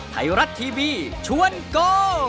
ไทยรัฐทีวีชวนโก